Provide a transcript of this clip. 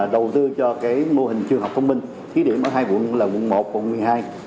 đầu tư cho mô hình trường học thông minh ký điểm ở hai quận là quận một và quận hai